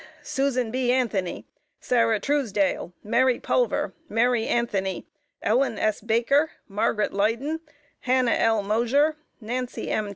Susan B. Anthony, Sarah Truesdale, Mary Pulver, Mary Anthony, Ellen S. Baker, Margaret Leyden, Hannah L. Mosher, Nancy M.